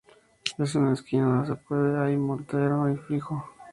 En una esquina se puede hay un mortero fijo.